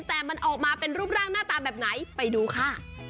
แต่มันออกมาเป็นรูปร่างหน้าตาแบบไหนไปดูค่ะ